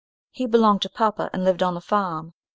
He belonged to papa and lived on the farm.